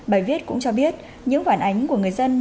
bài viết cũng cho biết những phản ánh của người dân